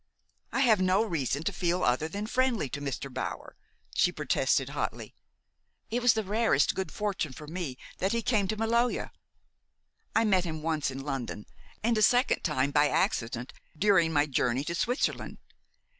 "I have no reason to feel other than friendly to Mr. Bower," she protested hotly. "It was the rarest good fortune for me that he came to Maloja. I met him once in London, and a second time, by accident, during my journey to Switzerland.